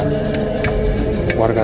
warga tengger berdoa